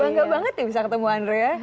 bangga banget ya bisa ketemu andrea